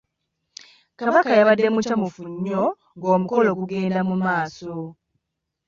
Kabaka yabadde mukyamufu nnyo ng'omukolo gugenda mu maaso .